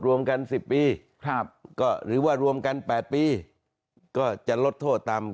รวมกัน๑๐ปีก็หรือว่ารวมกัน๘ปีก็จะลดโทษต่ำ